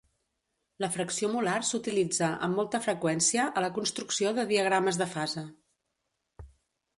La fracció molar s"utilitza amb molta freqüència a la construcció de diagrames de fase.